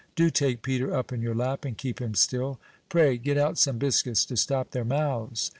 "Do take Peter up in your lap, and keep him still." "Pray get out some biscuits to stop their mouths."